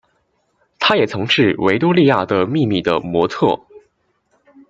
她也曾经是维多利亚的秘密的模特儿。